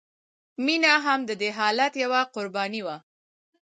مینه هم د دې حالت یوه قرباني وه